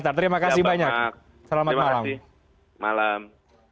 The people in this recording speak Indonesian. terima kasih banyak malam